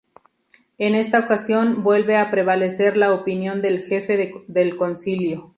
En esta ocasión vuelve a prevalecer la opinión del Jefe del Concilio.